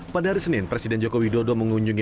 pada hari senin presiden jokowi dodo mengunjungi